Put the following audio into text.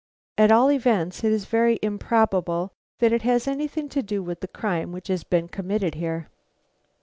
At all events, it is very improbable that it has anything to do with the crime which has been committed here."